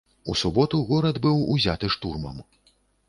У суботу горад быў узяты штурмам.